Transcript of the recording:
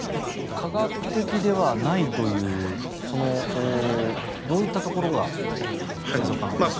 科学的ではないというどういったところが先生、お考えですか？